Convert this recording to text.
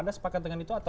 ada sepakat dengan itu atau